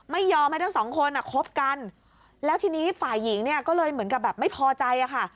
ไม่ยอมให้ทั้งสองคนอ่ะคบกันแล้วทีนี้ฝ่ายหญิงเนี่ยก็เลยเหมือนกับแบบไม่พอใจอ่ะค่ะ